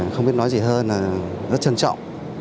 không biết nói gì hơn là rất trân trọng